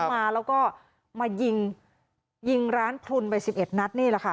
แล้วก็มายิงยิงร้านพลุนไป๑๑นัดนี่แหละค่ะ